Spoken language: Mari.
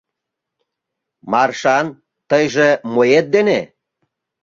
— Маршан, тыйже моэт дене